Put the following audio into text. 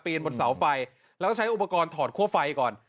บนเสาไฟแล้วใช้อุปกรณ์ถอดคั่วไฟก่อน